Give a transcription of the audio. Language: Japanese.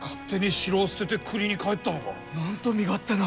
なんと身勝手な！